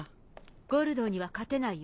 ゴルドーには勝てないよ。